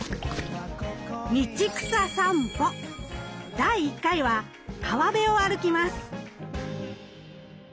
第１回は川辺を歩きます。